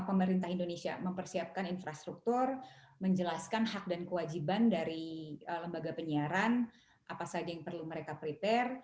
pemerintah indonesia mempersiapkan infrastruktur menjelaskan hak dan kewajiban dari lembaga penyiaran apa saja yang perlu mereka prepare